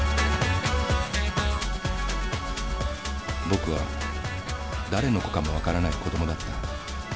僕は誰の子かもわからない子供だった。